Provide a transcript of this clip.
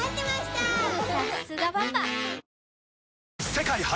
世界初！